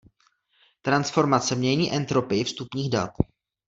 Transformace mění entropii vstupních dat.